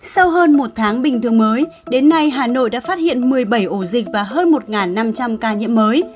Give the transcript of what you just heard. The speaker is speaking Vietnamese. sau hơn một tháng bình thường mới đến nay hà nội đã phát hiện một mươi bảy ổ dịch và hơn một năm trăm linh ca nhiễm mới